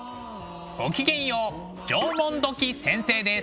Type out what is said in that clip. ごきげんよう縄文土器先生です。